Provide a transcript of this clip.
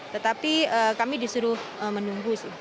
tetapi kami disuruh menunggu sih